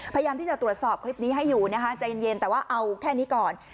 พยายามที่จะตรวจสอบคลิปนี้ให้อยู่นะคะใจเย็นแต่ว่าเอาแค่นี้ก่อน